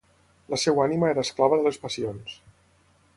La seva ànima era esclava de les passions.